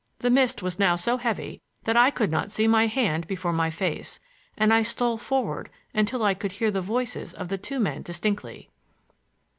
The mist was now so heavy that I could not see my hand before my face, and I stole forward until I could hear the voices of the two men distinctly.